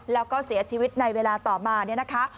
แล้วก็เสียชีวิตในเวลาต่อมาเนี่ยนะคะ